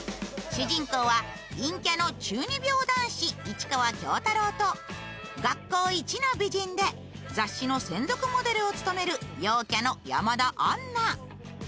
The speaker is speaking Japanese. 主人公は陰キャの中二病男子・市川京太郎と学校一の美人で雑誌の専属モデルを務める陽キャの山田杏奈。